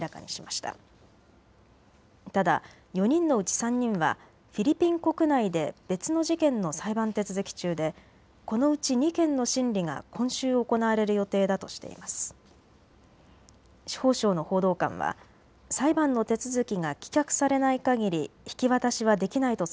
ただ４人のうち３人はフィリピン国内で別の事件の裁判手続き中でこのうち２件の審理が今週行われる予定だとしています。